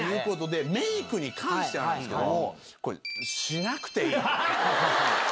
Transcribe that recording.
メイクに関してなんですけど。